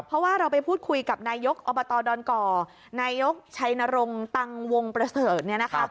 เพราะว่าเราไปพูดคุยกับนายกอดกนายกชัยนรงค์ตังค์วงประเสริฐ